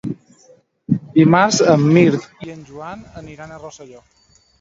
Dimarts en Mirt i en Joan aniran a Rosselló.